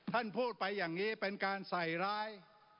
ท่านพูดไปอย่างนี้เป็นการใส่ร้าย